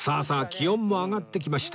気温も上がってきました